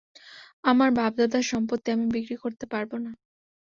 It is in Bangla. আমার বাপ-দাদার সম্পত্তি আমি বিক্রি করতে পারব না।